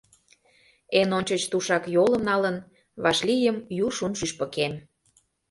Эн ончыч, тушак йолым налын, Вашлийым ю шун шӱшпыкем.